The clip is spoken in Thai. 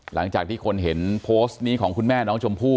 หลังจากที่คนเห็นโพสต์นี้ของคุณแม่น้องชมพู่